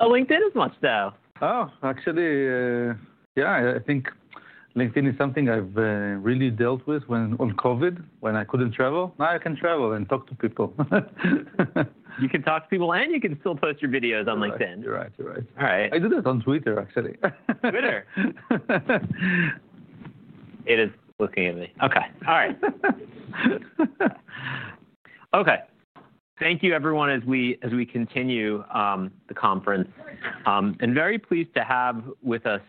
Oh, LinkedIn is much better. Oh, actually, yeah, I think LinkedIn is something I've really dealt with when COVID, when I couldn't travel. Now I can travel and talk to people. You can talk to people, and you can still post your videos on LinkedIn. Right, you're right. All right. I do that on Twitter, actually. Twitter. It is looking at me. OK, all right. OK, thank you, everyone, as we continue the conference. I'm very pleased to have with us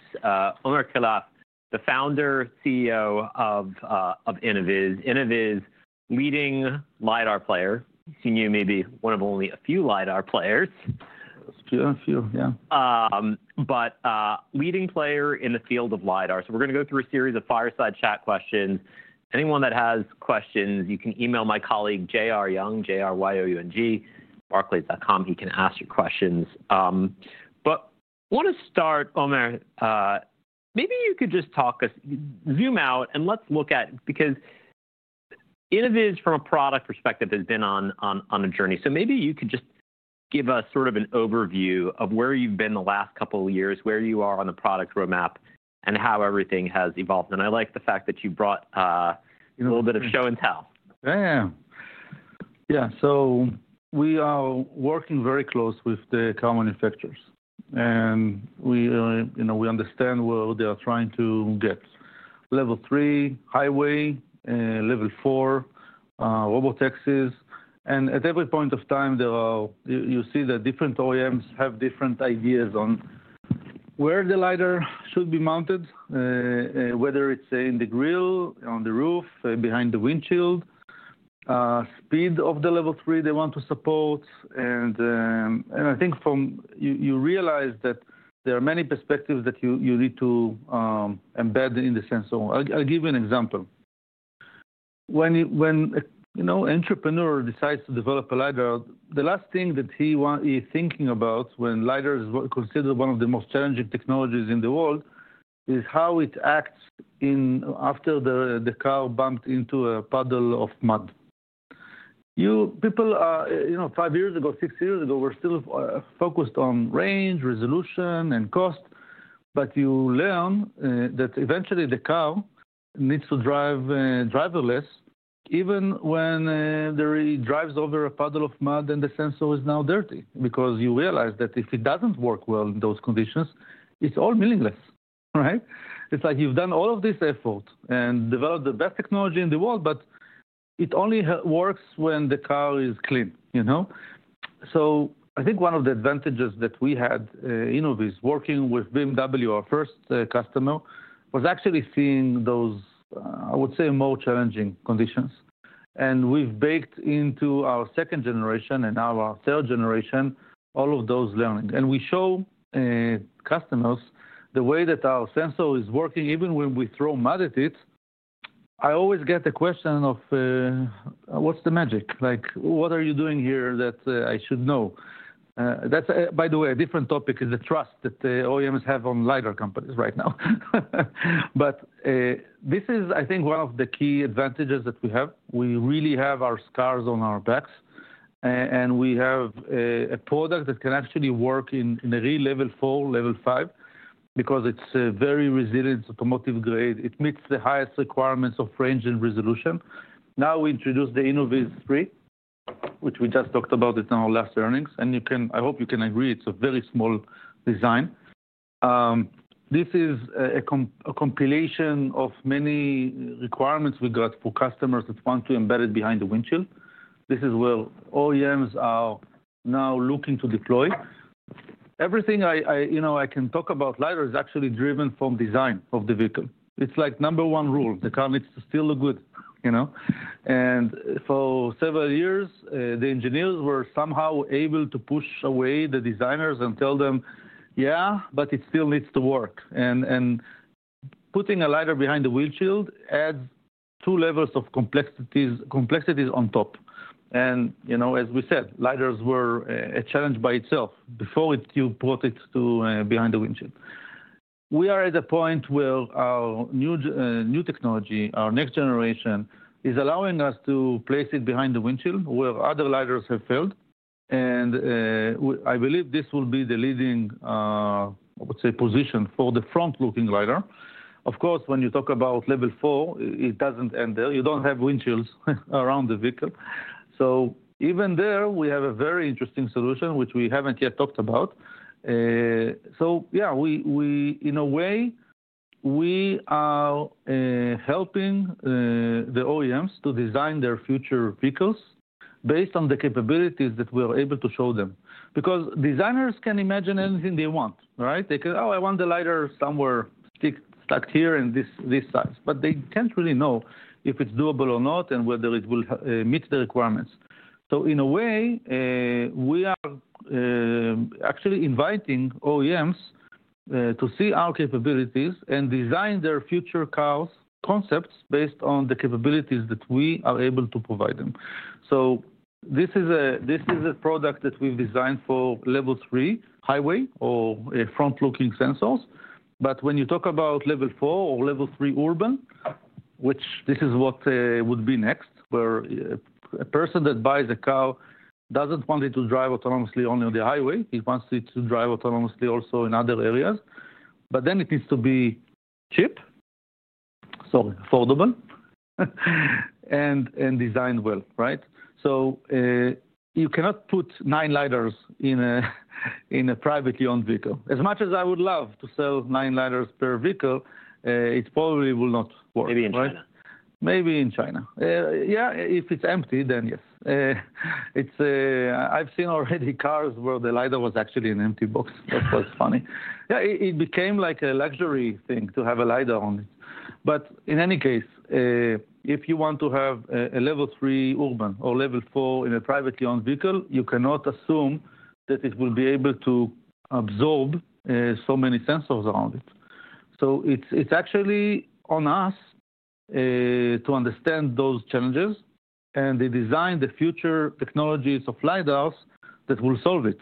Omer Keilaf, the founder and CEO of Innoviz, Innoviz's leading LiDAR player. You may be one of only a few LiDAR players. Just a few, yeah. A leading player in the field of LiDAR. We're going to go through a series of fireside chat questions. Anyone that has questions, you can email my colleague JR Young, J-R-Y-O-U-N-G, barclays.com. He can ask your questions. I want to start, Omer, maybe you could just talk us, zoom out, and let's look at, because Innoviz, from a product perspective, has been on a journey. Maybe you could just give us sort of an overview of where you've been the last couple of years, where you are on the product roadmap, and how everything has evolved. I like the fact that you brought a little bit of show and tell. Yeah, yeah. We are working very close with the car manufacturers. We understand where they are trying to get: level 3 highway, level 4 robotaxis. At every point of time, you see that different OEMs have different ideas on where the LiDAR should be mounted, whether it's in the grille, on the roof, behind the windshield, the speed of the level 3 they want to support. I think you realize that there are many perspectives that you need to embed in the sensor. I'll give you an example. When an entrepreneur decides to develop a LiDAR, the last thing that he's thinking about when LiDAR is considered one of the most challenging technologies in the world is how it acts after the car bumped into a puddle of mud. People, five years ago, six years ago, were still focused on range, resolution, and cost. You learn that eventually the car needs to drive driverless, even when it drives over a puddle of mud and the sensor is now dirty. You realize that if it does not work well in those conditions, it is all meaningless, right? It is like you have done all of this effort and developed the best technology in the world, but it only works when the car is clean. I think one of the advantages that we had, Innoviz, working with BMW, our first customer, was actually seeing those, I would say, more challenging conditions. We have baked into our second generation and our third generation all of those learnings. We show customers the way that our sensor is working, even when we throw mud at it. I always get the question of, what is the magic? Like, what are you doing here that I should know? That's, by the way, a different topic, is the trust that OEMs have on LiDAR companies right now. This is, I think, one of the key advantages that we have. We really have our scars on our backs. And we have a product that can actually work in a real level 4, level 5, because it's a very resilient automotive grade. It meets the highest requirements of range and resolution. Now we introduced the Innoviz 3, which we just talked about in our last earnings. I hope you can agree it's a very small design. This is a compilation of many requirements we got for customers that want to embed it behind the windshield. This is where OEMs are now looking to deploy. Everything I can talk about LiDAR is actually driven from the design of the vehicle. It's like the number one rule: the car needs to still look good. For several years, the engineers were somehow able to push away the designers and tell them, yeah, but it still needs to work. Putting a LiDAR behind the windshield adds two levels of complexities on top. As we said, LiDARs were a challenge by itself before you brought it behind the windshield. We are at a point where our new technology, our next generation, is allowing us to place it behind the windshield, where other LiDARs have failed. I believe this will be the leading, I would say, position for the front-looking LiDAR. Of course, when you talk about level 4, it does not end there. You do not have windshields around the vehicle. Even there, we have a very interesting solution, which we have not yet talked about. Yeah, in a way, we are helping the OEMs to design their future vehicles based on the capabilities that we are able to show them. Because designers can imagine anything they want, right? They can, oh, I want the LiDAR somewhere stuck here in this size. But they can't really know if it's doable or not and whether it will meet the requirements. In a way, we are actually inviting OEMs to see our capabilities and design their future cars, concepts based on the capabilities that we are able to provide them. This is a product that we've designed for level 3 highway or front-looking sensors. When you talk about level 4 or level 3 urban, which this is what would be next, where a person that buys a car doesn't want it to drive autonomously only on the highway. He wants it to drive autonomously also in other areas. It needs to be cheap, so affordable, and designed well, right? You cannot put nine LiDARs in a privately owned vehicle. As much as I would love to sell nine LiDARs per vehicle, it probably will not work. Maybe in China. Maybe in China. Yeah, if it's empty, then yes. I've seen already cars where the LiDAR was actually in an empty box. That was funny. Yeah, it became like a luxury thing to have a LiDAR on it. In any case, if you want to have a level 3 urban or level 4 in a privately owned vehicle, you cannot assume that it will be able to absorb so many sensors around it. It is actually on us to understand those challenges and design the future technologies of LiDARs that will solve it.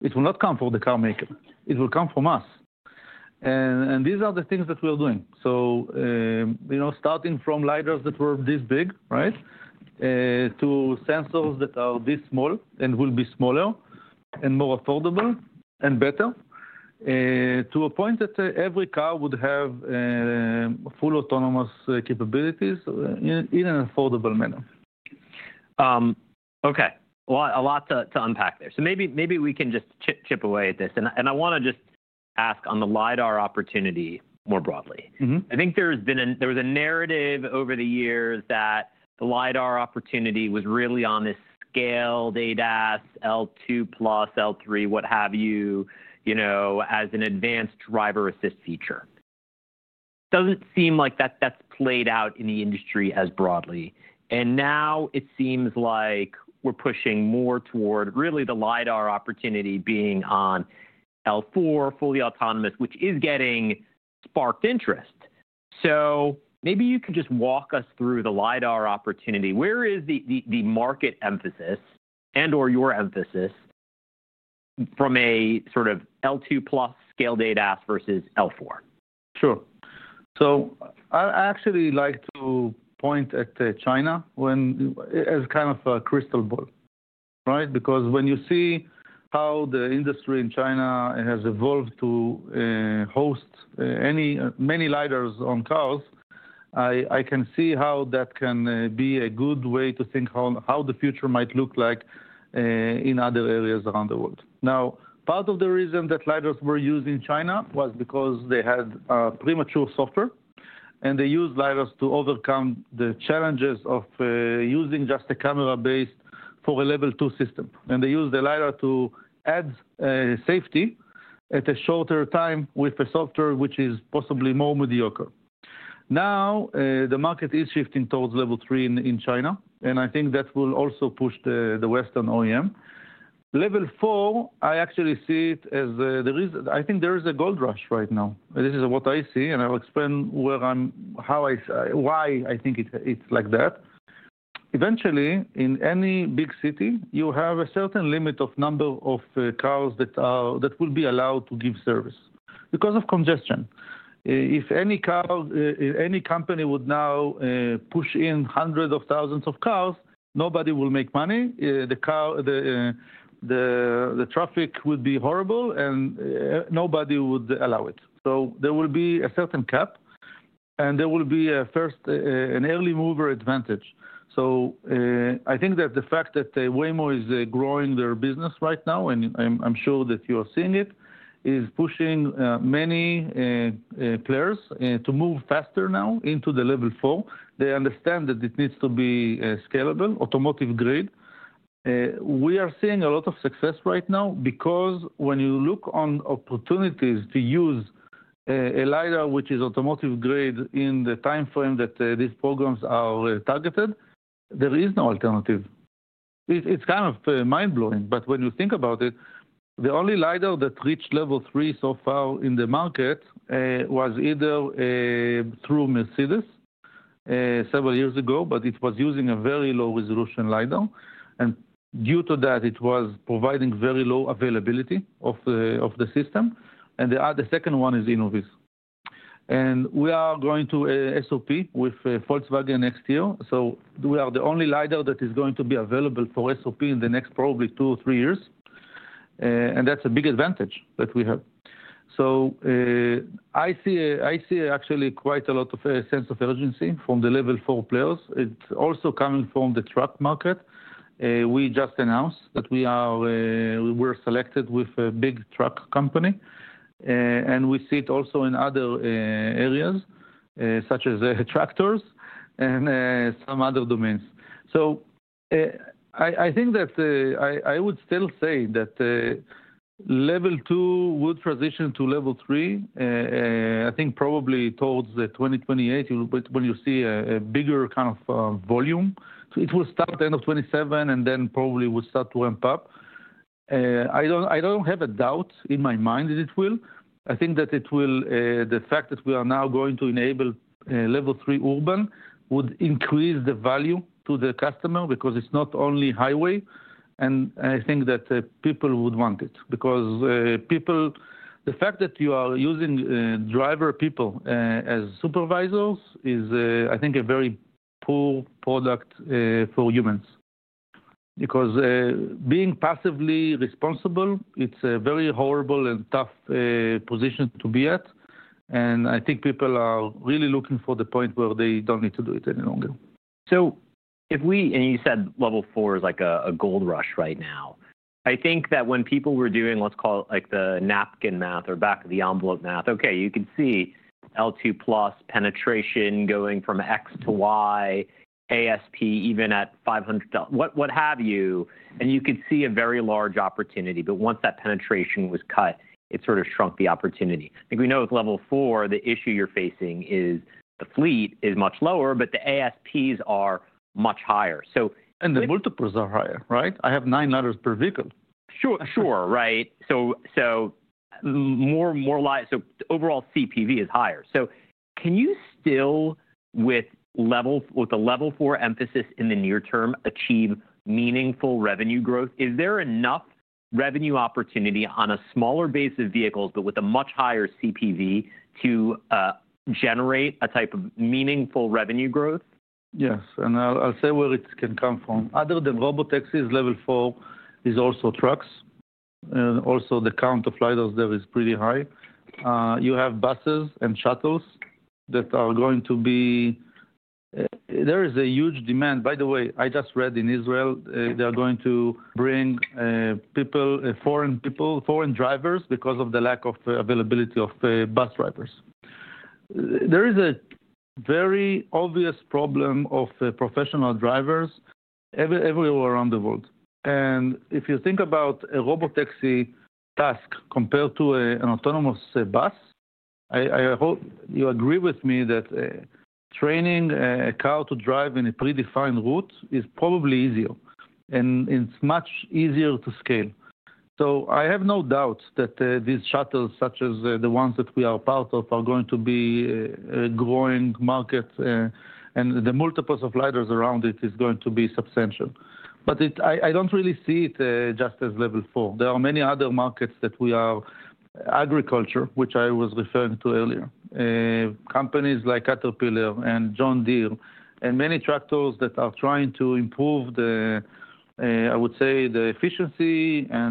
It will not come from the car maker. It will come from us. These are the things that we are doing. Starting from LiDARs that were this big, right, to sensors that are this small and will be smaller and more affordable and better, to a point that every car would have full autonomous capabilities in an affordable manner. OK, a lot to unpack there. Maybe we can just chip away at this. I want to just ask on the LiDAR opportunity more broadly. I think there was a narrative over the years that the LiDAR opportunity was really on this scale ADAS, L2 plus, L3, what have you, as an advanced driver assist feature. It does not seem like that has played out in the industry as broadly. Now it seems like we are pushing more toward really the LiDAR opportunity being on L4, fully autonomous, which is getting sparked interest. Maybe you could just walk us through the LiDAR opportunity. Where is the market emphasis and/or your emphasis from a sort of L2 plus scale ADAS versus L4? Sure. I actually like to point at China as kind of a crystal ball, right? Because when you see how the industry in China has evolved to host many LiDARs on cars, I can see how that can be a good way to think how the future might look like in other areas around the world. Now, part of the reason that LiDARs were used in China was because they had premature software. They used LiDARs to overcome the challenges of using just a camera base for a level 2 system. They used the LiDAR to add safety at a shorter time with the software, which is possibly more mediocre. Now the market is shifting towards level 3 in China. I think that will also push the Western OEM. Level 4, I actually see it as I think there is a gold rush right now. This is what I see. I'll explain how I think it's like that. Eventually, in any big city, you have a certain limit of number of cars that will be allowed to give service because of congestion. If any company would now push in hundreds of thousands of cars, nobody will make money. The traffic would be horrible. Nobody would allow it. There will be a certain cap. There will be an early mover advantage. I think that the fact that Waymo is growing their business right now, and I'm sure that you are seeing it, is pushing many players to move faster now into the level 4. They understand that it needs to be scalable, automotive grade. We are seeing a lot of success right now because when you look on opportunities to use a LiDAR which is automotive grade in the time frame that these programs are targeted, there is no alternative. It is kind of mind-blowing. When you think about it, the only LiDAR that reached Level 3 so far in the market was either through Mercedes several years ago, but it was using a very low resolution LiDAR. Due to that, it was providing very low availability of the system. The second one is Innoviz. We are going to SOP with Volkswagen next year. We are the only LiDAR that is going to be available for SOP in the next probably two or three years. That is a big advantage that we have. I see actually quite a lot of a sense of urgency from the Level 4 players. It's also coming from the truck market. We just announced that we were selected with a big truck company. We see it also in other areas, such as tractors and some other domains. I think that I would still say that level 2 would transition to level 3, I think probably towards 2028, when you see a bigger kind of volume. It will start at the end of 2027 and then probably would start to ramp up. I don't have a doubt in my mind that it will. I think that the fact that we are now going to enable level 3 urban would increase the value to the customer because it's not only highway. I think that people would want it. Because the fact that you are using driver people as supervisors is, I think, a very poor product for humans. Because being passively responsible, it's a very horrible and tough position to be at. I think people are really looking for the point where they don't need to do it any longer. If we--and you said level 4 is like a gold rush right now. I think that when people were doing, let's call it like the napkin math or back of the envelope math, OK, you could see L2 plus penetration going from X to Y, ASP even at $500, what have you. You could see a very large opportunity. Once that penetration was cut, it sort of shrunk the opportunity. I think we know with level 4, the issue you're facing is the fleet is much lower, but the ASPs are much higher. The multiples are higher, right? I have nine LiDARs per vehicle. Sure, sure, right? Overall CPV is higher. Can you still, with a Level 4 emphasis in the near term, achieve meaningful revenue growth? Is there enough revenue opportunity on a smaller base of vehicles, but with a much higher CPV, to generate a type of meaningful revenue growth? Yes. I'll say where it can come from. Other than robotaxis, level 4 is also trucks. Also, the count of LiDARs there is pretty high. You have buses and shuttles that are going to be—there is a huge demand. By the way, I just read in Israel they are going to bring foreign drivers because of the lack of availability of bus drivers. There is a very obvious problem of professional drivers everywhere around the world. If you think about a robotaxi task compared to an autonomous bus, I hope you agree with me that training a car to drive in a predefined route is probably easier. It's much easier to scale. I have no doubt that these shuttles, such as the ones that we are part of, are going to be a growing market. The multiples of LiDARs around it is going to be substantial. I do not really see it just as level 4. There are many other markets that we are—agriculture, which I was referring to earlier, companies like Caterpillar and John Deere, and many tractors that are trying to improve, I would say, the efficiency. I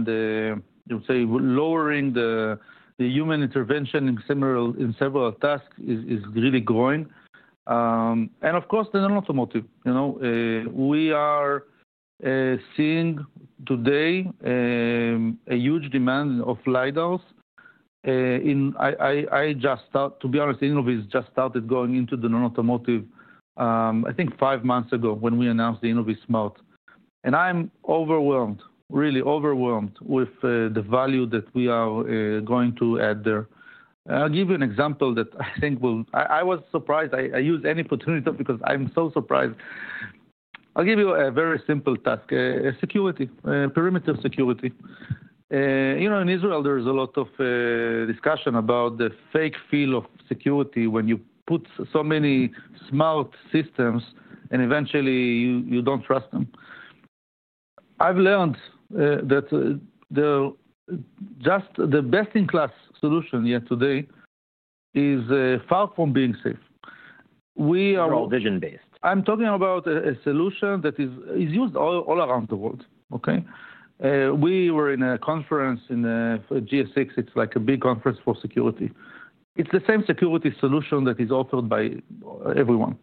would say lowering the human intervention in several tasks is really growing. Of course, automotive. We are seeing today a huge demand of LiDARs. To be honest, Innoviz just started going into the non-automotive, I think, five months ago when we announced the InnovizSmart. I am overwhelmed, really overwhelmed, with the value that we are going to add there. I will give you an example that I think will—I was surprised. I used any opportunity because I am so surprised. I will give you a very simple task: security, perimeter security. You know, in Israel, there is a lot of discussion about the fake feel of security when you put so many smart systems and eventually you don't trust them. I've learned that just the best-in-class solution yet today is far from being safe. It's all vision-based. I'm talking about a solution that is used all around the world. We were in a conference in GS6. It's like a big conference for security. It's the same security solution that is offered by everyone.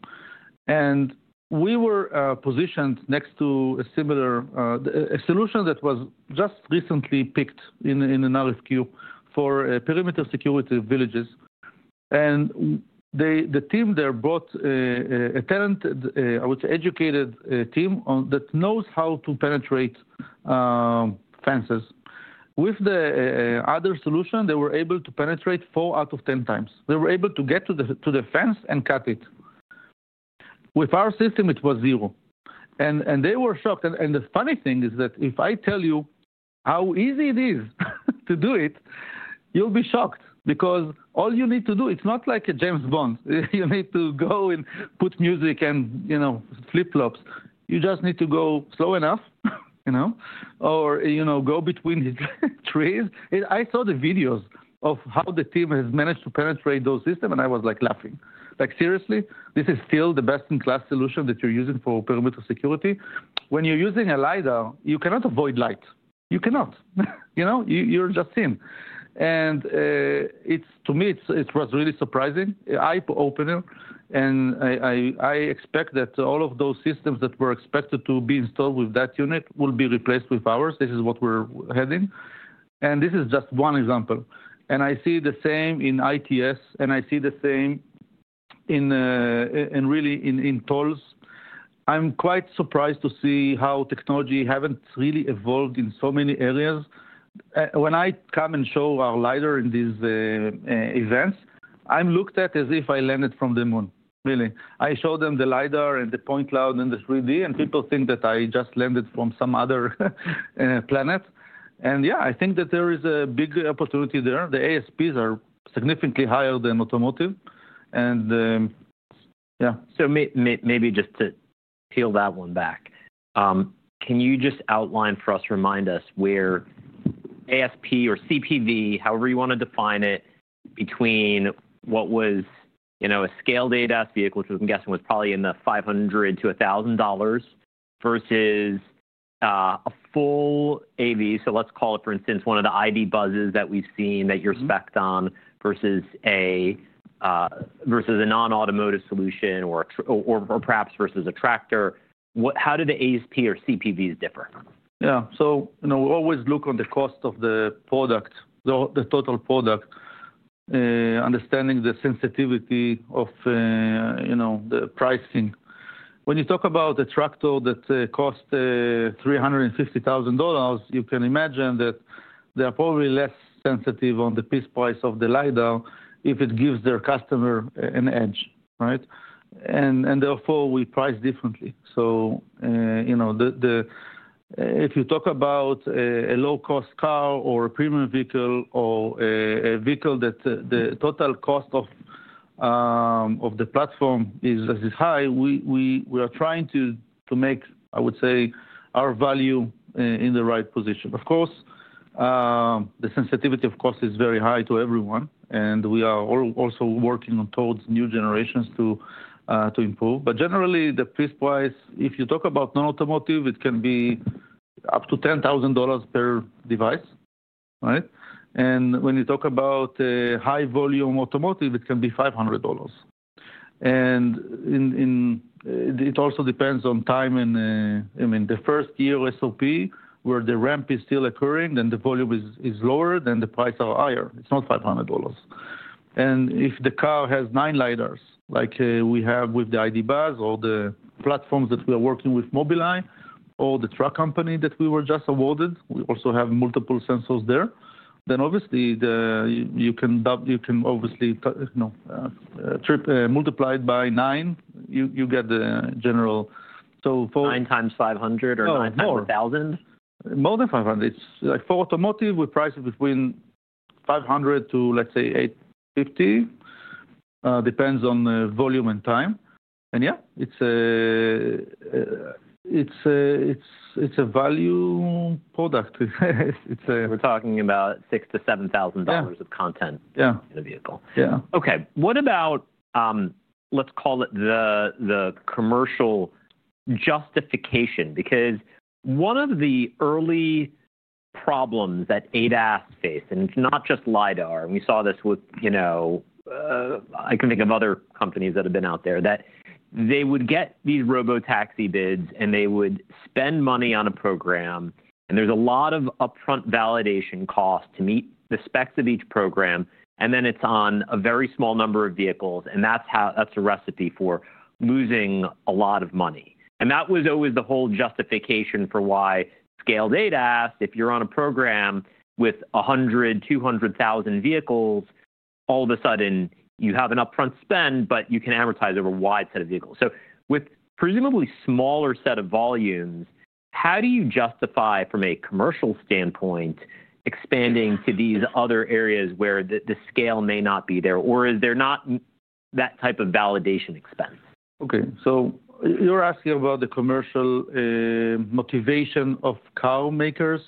We were positioned next to a solution that was just recently picked in an RFQ for perimeter security villages. The team there brought a talent, I would say, educated team that knows how to penetrate fences. With the other solution, they were able to penetrate four out of 10 times. They were able to get to the fence and cut it. With our system, it was zero. They were shocked. The funny thing is that if I tell you how easy it is to do it, you'll be shocked. Because all you need to do—it's not like a James Bond. You need to go and put music and flip-flops. You just need to go slow enough or go between the trees. I saw the videos of how the team has managed to penetrate those systems. I was like laughing. Like, seriously, this is still the best-in-class solution that you're using for perimeter security? When you're using a LiDAR, you cannot avoid light. You cannot. You're just seeing. To me, it was really surprising. I opened it. I expect that all of those systems that were expected to be installed with that unit will be replaced with ours. This is what we're heading. This is just one example. I see the same in ITS. I see the same really in tolls. I'm quite surprised to see how technology hasn't really evolved in so many areas. When I come and show our LiDAR in these events, I'm looked at as if I landed from the moon, really. I show them the LiDAR and the point cloud and the 3D. People think that I just landed from some other planet. I think that there is a big opportunity there. The ASPs are significantly higher than automotive. Maybe just to peel that one back, can you just outline for us, remind us where ASP or CPV, however you want to define it, between what was a scale ADAS vehicle, which I'm guessing was probably in the $500-$1,000 versus a full AV, so let's call it, for instance, one of the ID. Buzzes that we've seen that you're specked on versus a non-automotive solution or perhaps versus a tractor, how do the ASP or CPVs differ? Yeah. We always look on the cost of the product, the total product, understanding the sensitivity of the pricing. When you talk about a tractor that costs $350,000, you can imagine that they are probably less sensitive on the piece price of the LiDAR if it gives their customer an edge, right? Therefore, we price differently. If you talk about a low-cost car or a premium vehicle or a vehicle that the total cost of the platform is high, we are trying to make, I would say, our value in the right position. Of course, the sensitivity of cost is very high to everyone. We are also working towards new generations to improve. Generally, the piece price, if you talk about non-automotive, it can be up to $10,000 per device, right? When you talk about high-volume automotive, it can be $500. It also depends on time. I mean, the first year of SOP, where the ramp is still occurring, the volume is lower, the prices are higher. It's not $500. If the car has nine LiDARs, like we have with the ID. Buzz or the platforms that we are working with Mobileye or the truck company that we were just awarded, we also have multiple sensors there, then obviously, you can multiply it by nine. You get the general. Nine times $500 or nine times $1,000? More than $500. For automotive, we price between $500-$850. It depends on volume and time. Yeah, it's a value product. We're talking about $6,000-$7,000 of content in a vehicle. Yeah. OK. What about, let's call it, the commercial justification? Because one of the early problems that ADAS faced, and it's not just LiDAR, and we saw this with I can think of other companies that have been out there, that they would get these robotaxi bids, and they would spend money on a program. There's a lot of upfront validation cost to meet the specs of each program. Then it's on a very small number of vehicles. That's a recipe for losing a lot of money. That was always the whole justification for why scale ADAS. If you're on a program with 100,000-200,000 vehicles, all of a sudden, you have an upfront spend, but you can advertise over a wide set of vehicles. With a presumably smaller set of volumes, how do you justify, from a commercial standpoint, expanding to these other areas where the scale may not be there? Or is there not that type of validation expense? OK. So you're asking about the commercial motivation of car makers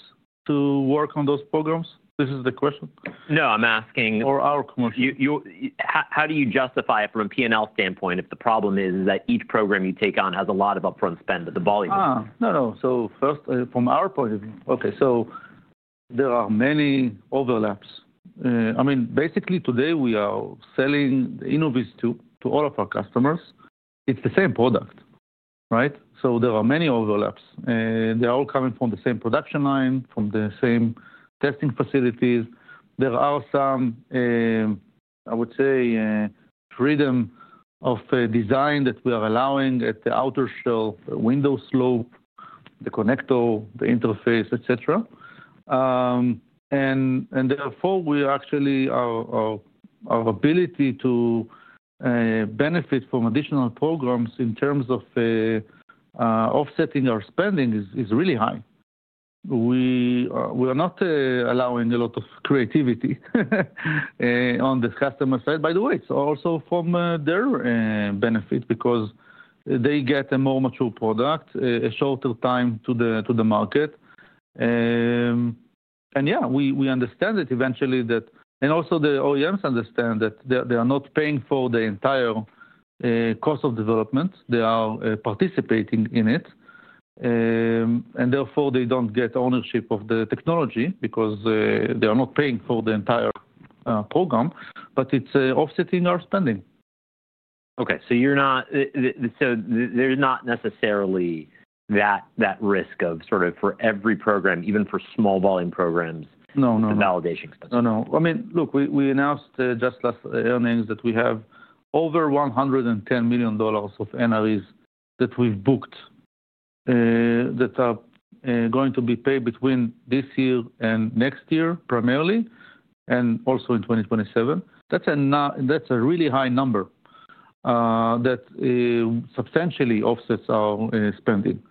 to work on those programs? This is the question? No, I'm asking. Or our commercial. How do you justify it from a P&L standpoint if the problem is that each program you take on has a lot of upfront spend, but the volume is high? No, no. First, from our point of view, OK, there are many overlaps. I mean, basically, today, we are selling the Innoviz to all of our customers. It's the same product, right? There are many overlaps. They are all coming from the same production line, from the same testing facilities. There are some, I would say, freedom of design that we are allowing at the outer shelf, window slope, the connector, the interface, etc. Therefore, our ability to benefit from additional programs in terms of offsetting our spending is really high. We are not allowing a lot of creativity on the customer side. By the way, it's also for their benefit because they get a more mature product, a shorter time to the market. Yeah, we understand that eventually that. The OEMs understand that they are not paying for the entire cost of development. They are participating in it. Therefore, they do not get ownership of the technology because they are not paying for the entire program. It is offsetting our spending. OK. So there's not necessarily that risk of sort of for every program, even for small volume programs, the validation expense. No, no. I mean, look, we announced just last earnings that we have over $110 million of NREs that we've booked that are going to be paid between this year and next year, primarily, and also in 2027. That's a really high number that substantially offsets our spending.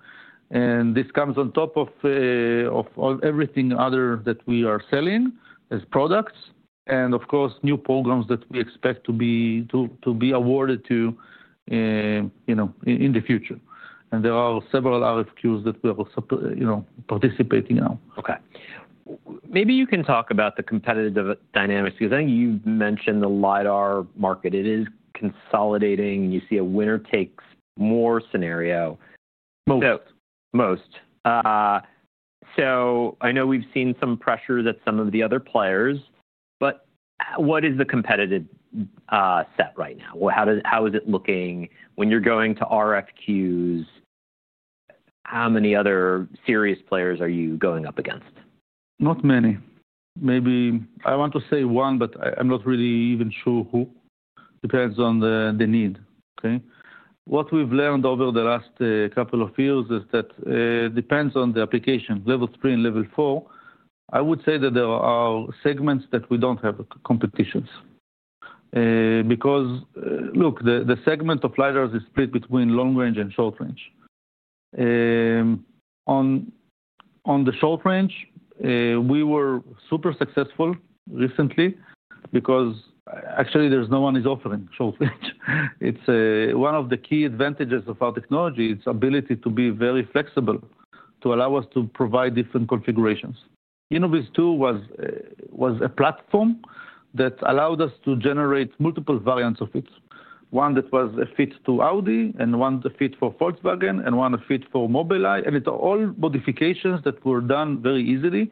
This comes on top of everything other that we are selling as products and, of course, new programs that we expect to be awarded to in the future. There are several RFQs that we are participating in now. OK. Maybe you can talk about the competitive dynamics because I think you've mentioned the LiDAR market. It is consolidating. You see a winner takes more scenario. Most. I know we've seen some pressure that some of the other players. What is the competitive set right now? How is it looking? When you're going to RFQs, how many other serious players are you going up against? Not many. Maybe I want to say one, but I'm not really even sure who. Depends on the need, OK? What we've learned over the last couple of years is that it depends on the application, level 3 and level 4. I would say that there are segments that we don't have competitions. Because, look, the segment of LiDARs is split between long range and short range. On the short range, we were super successful recently because, actually, there's no one offering short range. It's one of the key advantages of our technology, its ability to be very flexible, to allow us to provide different configurations. Innoviz 2 was a platform that allowed us to generate multiple variants of it, one that was a fit to Audi, and one a fit for Volkswagen, and one a fit for Mobileye. It's all modifications that were done very easily.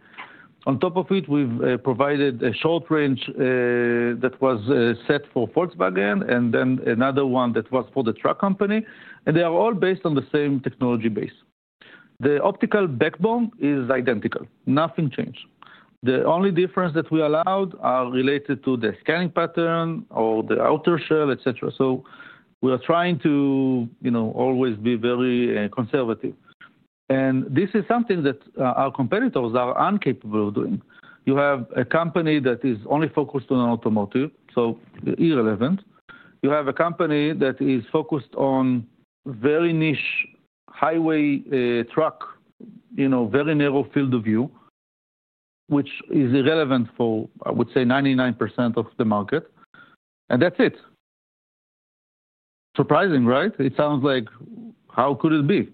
On top of it, we've provided a short range that was set for Volkswagen, and then another one that was for the truck company. They are all based on the same technology base. The optical backbone is identical. Nothing changed. The only difference that we allowed is related to the scanning pattern or the outer shell, etc. We are trying to always be very conservative. This is something that our competitors are incapable of doing. You have a company that is only focused on automotive, so irrelevant. You have a company that is focused on very niche highway truck, very narrow field of view, which is irrelevant for, I would say, 99% of the market. That's it. Surprising, right? It sounds like, how could it be?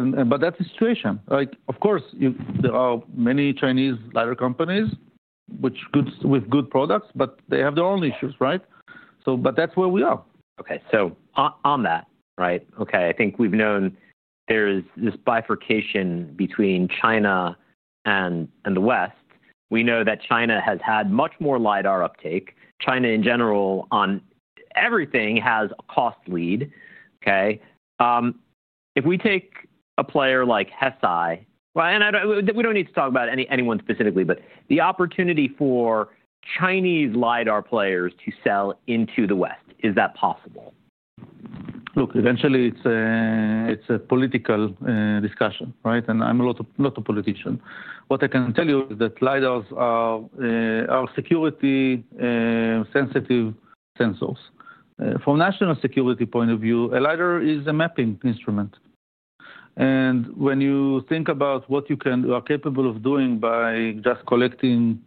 That is the situation. Of course, there are many Chinese LiDAR companies with good products. They have their own issues, right? That is where we are. OK. On that, right, OK, I think we've known there is this bifurcation between China and the West. We know that China has had much more LiDAR uptake. China, in general, on everything, has a cost lead, OK? If we take a player like Hesai, and we do not need to talk about anyone specifically. The opportunity for Chinese LiDAR players to sell into the West, is that possible? Look, eventually, it's a political discussion, right? I'm not a politician. What I can tell you is that LiDARs are security-sensitive sensors. From a national security point of view, a LiDAR is a mapping instrument. When you think about what you are capable of doing by just collecting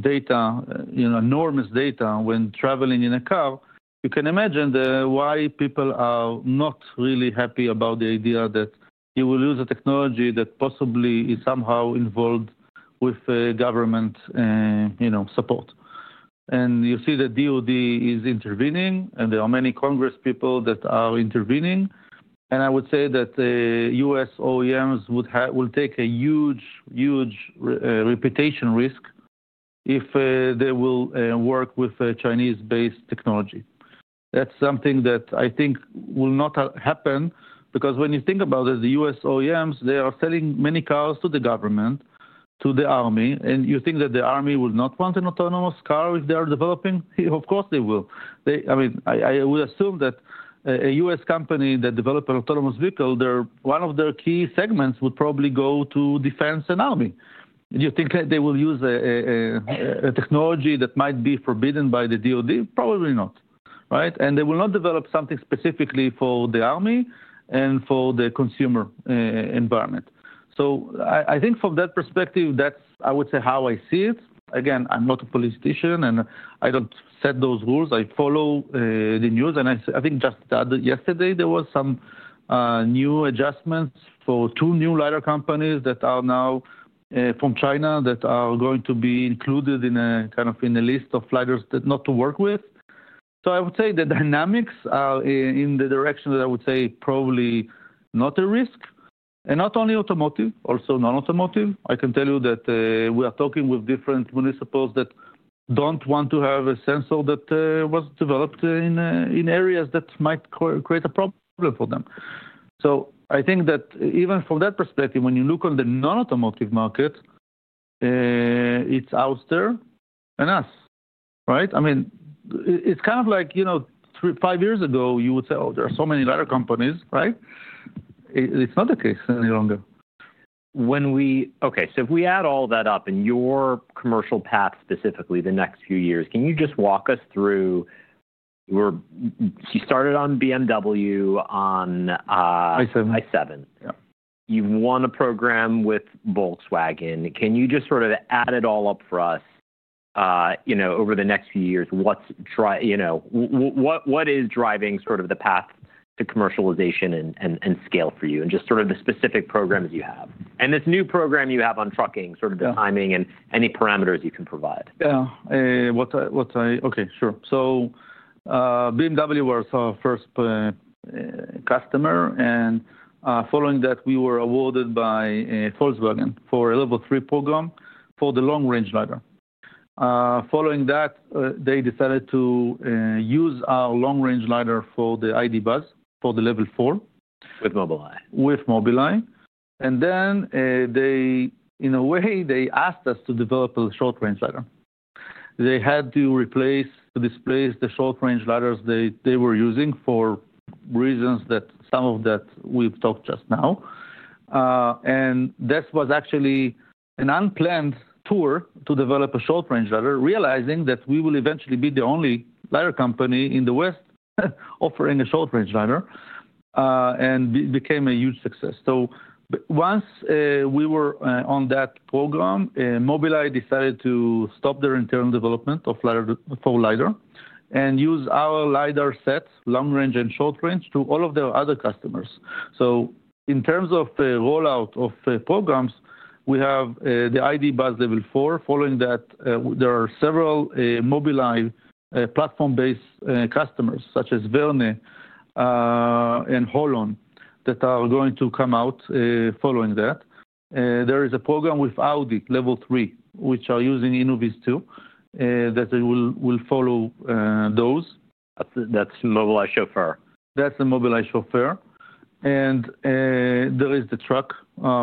data, enormous data, when traveling in a car, you can imagine why people are not really happy about the idea that you will use a technology that possibly is somehow involved with government support. You see that DOD is intervening. There are many Congress people that are intervening. I would say that US OEMs will take a huge, huge reputation risk if they will work with Chinese-based technology. That's something that I think will not happen. When you think about it, the US OEMs, they are selling many cars to the government, to the army. You think that the army will not want an autonomous car if they are developing? Of course, they will. I mean, I would assume that a US company that develops an autonomous vehicle, one of their key segments would probably go to defense and army. Do you think that they will use a technology that might be forbidden by the DOD? Probably not, right? They will not develop something specifically for the army and for the consumer environment. I think from that perspective, that is, I would say, how I see it. Again, I am not a politician. I do not set those rules. I follow the news. I think just yesterday, there were some new adjustments for two new LiDAR companies that are now from China that are going to be included in a kind of list of LiDARs not to work with. I would say the dynamics are in the direction that I would say probably not a risk. And not only automotive, also non-automotive. I can tell you that we are talking with different municipals that don't want to have a sensor that was developed in areas that might create a problem for them. I think that even from that perspective, when you look on the non-automotive market, it's Ouster and us, right? I mean, it's kind of like, you know, five years ago, you would say, oh, there are so many LiDAR companies, right? It's not the case any longer. OK. If we add all that up in your commercial path specifically the next few years, can you just walk us through? You started on BMW, on I7. I7, yeah. You've won a program with Volkswagen. Can you just sort of add it all up for us over the next few years? What is driving sort of the path to commercialization and scale for you and just sort of the specific programs you have? This new program you have on trucking, sort of the timing and any parameters you can provide? Yeah. OK, sure. BMW was our first customer. Following that, we were awarded by Volkswagen for a Level 3 program for the long range LiDAR. Following that, they decided to use our long range LiDAR for the ID. Buzz for the Level 4. With Mobileye. With Mobileye. In a way, they asked us to develop a short range LiDAR. They had to replace, displace the short range LiDARs they were using for reasons that some of that we've talked just now. This was actually an unplanned tour to develop a short range LiDAR, realizing that we will eventually be the only LiDAR company in the West offering a short range LiDAR. It became a huge success. Once we were on that program, Mobileye decided to stop their internal development for LiDAR and use our LiDAR sets, long range and short range, to all of their other customers. In terms of the rollout of programs, we have the ID. Buzz Level 4. Following that, there are several Mobileye platform-based customers, such as Verne and Holon, that are going to come out following that. There is a program with Audi Level 3, which are using Innoviz 2, that will follow those. That's Mobileye Chauffeur. That's the Mobileye Chauffeur. There is the truck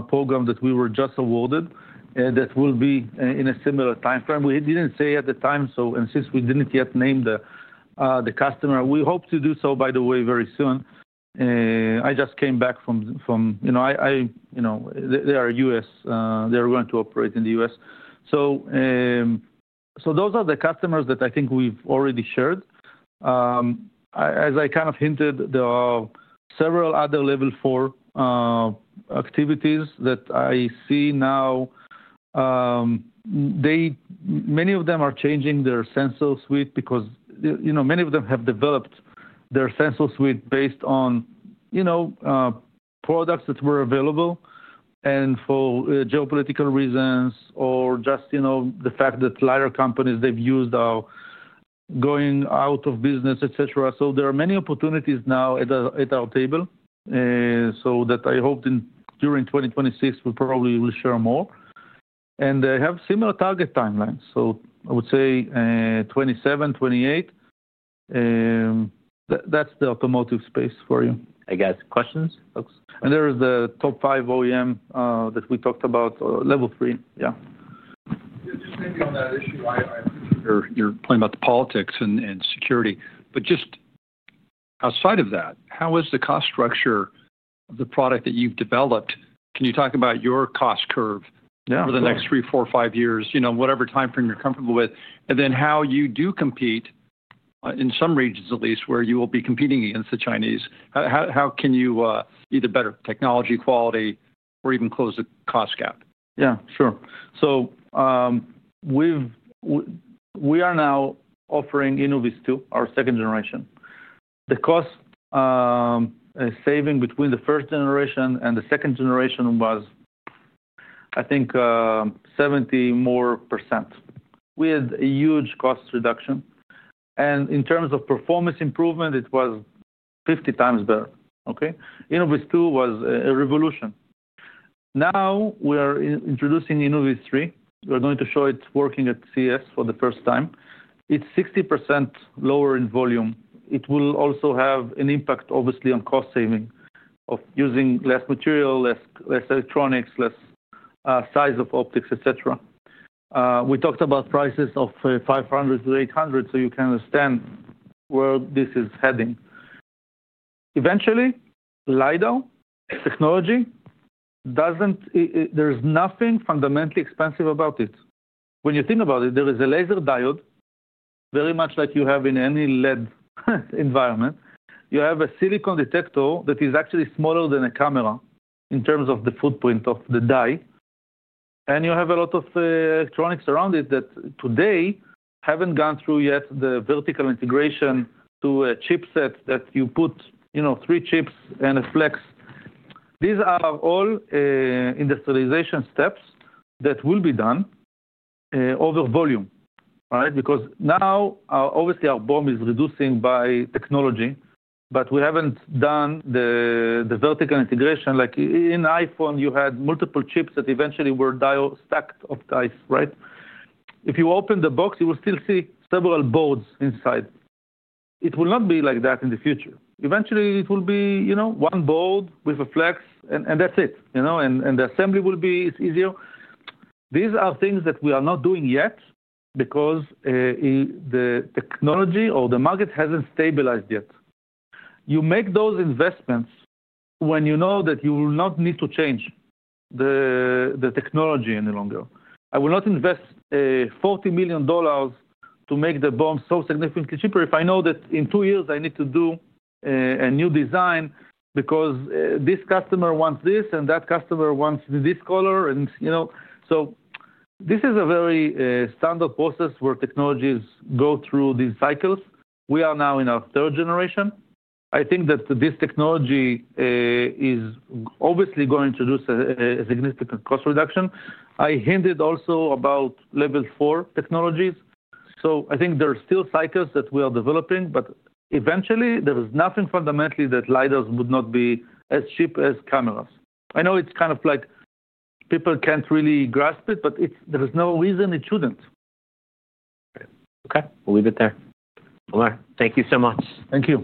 program that we were just awarded that will be in a similar time frame. We didn't say at the time, and since we didn't yet name the customer, we hope to do so, by the way, very soon. I just came back from, you know, they are U.S. They are going to operate in the U.S. Those are the customers that I think we've already shared. As I kind of hinted, there are several other Level 4 activities that I see now. Many of them are changing their sensor suite because many of them have developed their sensor suite based on products that were available and for geopolitical reasons or just the fact that LiDAR companies they've used are going out of business, etc. There are many opportunities now at our table that I hope during 2026 we probably will share more. They have similar target timelines. I would say 2027, 2028, that is the automotive space for you. I guess questions. There is the top five OEM that we talked about, level 3, yeah. Just maybe on that issue, I appreciate your point about the politics and security. Just outside of that, how is the cost structure of the product that you've developed? Can you talk about your cost curve for the next three, four, five years, whatever time frame you're comfortable with? Then how you do compete in some regions, at least, where you will be competing against the Chinese? How can you either better technology quality or even close the cost gap? Yeah, sure. We are now offering Innoviz 2, our second generation. The cost saving between the first generation and the second generation was, I think, 70% more. We had a huge cost reduction. In terms of performance improvement, it was 50 times better, OK? Innoviz 2 was a revolution. Now we are introducing Innoviz 3. We're going to show it working at CES for the first time. It's 60% lower in volume. It will also have an impact, obviously, on cost saving of using less material, less electronics, less size of optics, etc. We talked about prices of $500-$800, so you can understand where this is heading. Eventually, LiDAR technology doesn't—there's nothing fundamentally expensive about it. When you think about it, there is a laser diode, very much like you have in any lead environment. You have a silicon detector that is actually smaller than a camera in terms of the footprint of the die. You have a lot of electronics around it that today have not gone through yet the vertical integration to a chipset that you put three chips and a flex. These are all industrialization steps that will be done over volume, right? Because now, obviously, our BOM is reducing by technology. We have not done the vertical integration. Like in iPhone, you had multiple chips that eventually were diode stacked of dice, right? If you open the box, you will still see several boards inside. It will not be like that in the future. Eventually, it will be one board with a flex, and that is it. The assembly will be easier. These are things that we are not doing yet because the technology or the market has not stabilized yet. You make those investments when you know that you will not need to change the technology any longer. I will not invest $40 million to make the BOM so significantly cheaper if I know that in two years I need to do a new design because this customer wants this, and that customer wants this color. This is a very standard process where technologies go through these cycles. We are now in our third generation. I think that this technology is obviously going to produce a significant cost reduction. I hinted also about Level 4 technologies. I think there are still cycles that we are developing. Eventually, there is nothing fundamentally that LiDARs would not be as cheap as cameras. I know it's kind of like people can't really grasp it. There is no reason it shouldn't. OK. We'll leave it there. Thank you so much. Thank you.